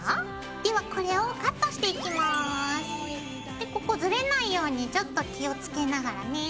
でここずれないようにちょっと気をつけながらね。